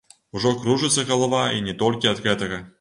Ужо кружыцца галава і не толькі ад гэтага.